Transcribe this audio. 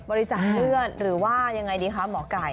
บริจาคเลือดหรือว่ายังไงดีคะหมอไก่